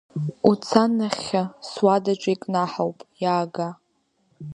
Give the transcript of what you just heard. Уца нахьхьи, суадаҿы икнаҳауп, иаага!